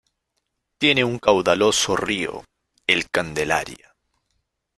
Tiene un caudaloso río, el Candelaria.